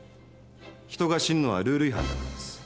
人が死ぬのはルール違反だからです。